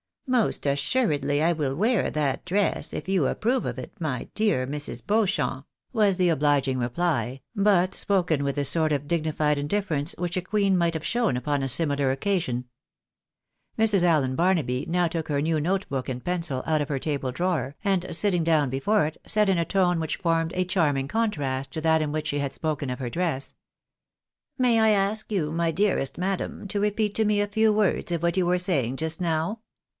" Most assuredly I will wear that dress, if you approve of it, my dear Mrs. Beauchamp," was the obliging reply, but spoken with, the sort of dignified indifference which a queen might have shown upon a similar occasion. Mrs. Allen Barnaby now took her new note book and pencil out of her table drawer, and sitting down before it, said in a tone which formed a charming contrast to that in which she had spoken; of her dress —" May I ask you, my dearest madam, to repeat to me a few words of what you were saying just now?